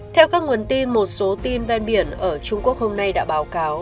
theo các nguồn tin một số tin ven biển ở trung quốc hôm nay đã báo cáo